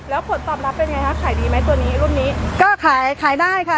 แล้วผลตอบรับเป็นยังไงคะขายดีไหมตัวนี้รุ่นนี้ก็ขายขายได้ค่ะ